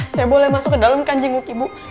saya boleh masuk ke dalam kanjing buk ibu